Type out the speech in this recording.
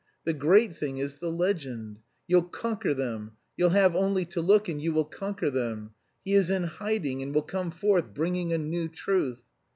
The great thing is the legend. You'll conquer them, you'll have only to look, and you will conquer them. He is 'in hiding,' and will come forth bringing a new truth.